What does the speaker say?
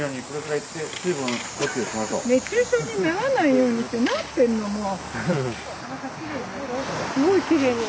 熱中症にならないようにってなってるのもう。